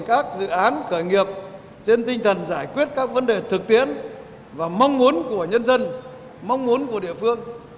các dự án khởi nghiệp trên tinh thần giải quyết các vấn đề thực tiễn và mong muốn của nhân dân mong muốn của địa phương